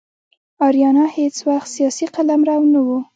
آریانا هیڅ وخت سیاسي قلمرو نه و.